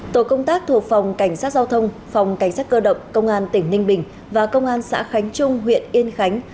tổ công tác thuộc phòng cảnh sát giao thông phòng cảnh sát cơ động công an tỉnh ninh bình và công an xã khánh trung huyện yên khánh